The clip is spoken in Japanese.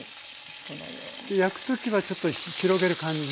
焼く時はちょっと広げる感じ。